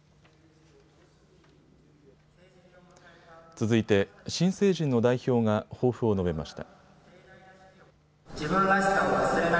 続いて新成人の代表が抱負を述べました。